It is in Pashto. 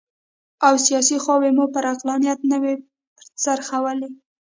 او سیاسي خواوې مو پر عقلانیت نه وي څرخولي.